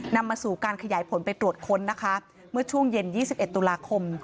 นำมาสู่การขยายผลไปตรวจค้นนะคะเมื่อช่วงเย็น๒๑ตุลาคม